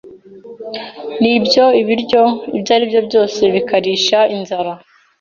Nibyo ibiryo ibyo aribyo byose bikarisha inzara